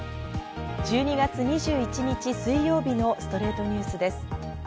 １２月２１日、水曜日の『ストレイトニュース』です。